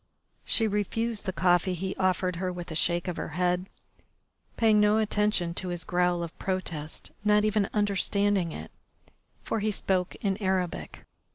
She refused the coffee he offered her with a shake of her head, paying no attention to his growl of protest, not even understanding it, for he spoke in Arabic.